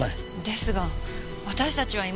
ですが私たちは今まで。